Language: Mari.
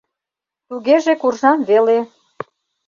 — Тугеже — куржам веле.